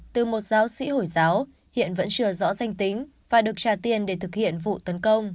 từ một giáo sĩ hồi giáo hiện vẫn chưa rõ danh tính và được trả tiền để thực hiện vụ tấn công